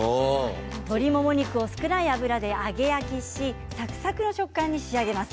鶏もも肉を少ない油で揚げ焼きしサクサクの食感に仕上げます。